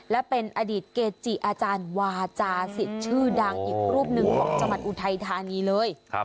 และเป็นอดีตเกจิอาจารย์วาจาศิษย์ชื่อดังอีกรูปหนึ่งของจังหวัดอุทัยธานีเลย